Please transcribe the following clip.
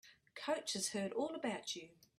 Coach has heard all about you.